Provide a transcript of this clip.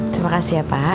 terima kasih ya pak